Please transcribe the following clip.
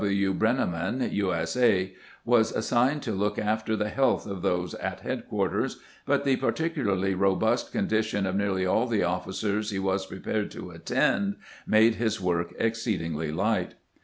D. W. Breneman, U. S. A., was assigned to look after the health of those at headquarters ; but the particularly robust condition of nearly all the officers he was prepared to attend made his work exceedingly light.